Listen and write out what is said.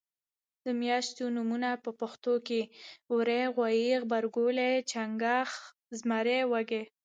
د میاشتو نومونه په پښتو کې وری غویي غبرګولی چنګاښ زمری وږی